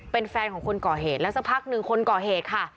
เป็นแฟนของคนก่อเหตุแล้วสักพักหนึ่งคนก่อเหตุค่ะ